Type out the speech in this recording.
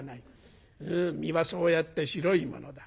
身はそうやって白いものだ。